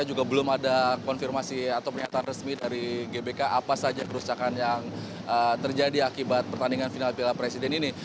juga belum ada konfirmasi atau pernyataan resmi dari gbk apa saja kerusakan yang terjadi akibat pertandingan final piala presiden ini